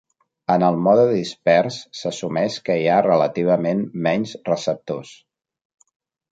En el mode dispers s'assumeix que hi ha relativament menys receptors.